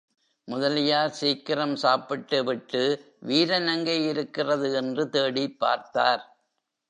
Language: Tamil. முதலியார் சீக்கிரம் சாப்பிட்டுவிட்டு வீரன் எங்கே இருக்கிறது என்று தேடிப் பார்த்தார்.